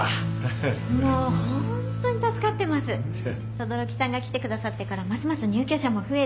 轟さんが来てくださってからますます入居者も増えて。